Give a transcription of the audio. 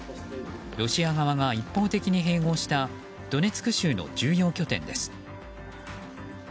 ロシア側が一方的に併合したドネツク州の重要拠点です。